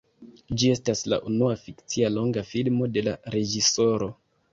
Ĝi estas la unua fikcia longa filmo de la reĝisoro.